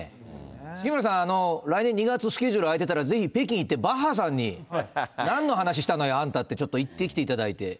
杉村さん、来年２月スケジュール空いてたら、空いてたらぜひ北京行って、バッハさんに、なんの話したのよ、あんたって、いってきていただいて。